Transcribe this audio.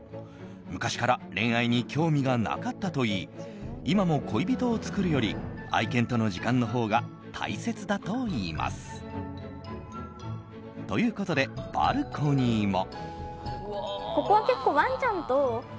昔から恋愛に興味がなかったといい今も恋人を作るより、愛犬との時間のほうが大切だといいます。ということで、バルコニーも。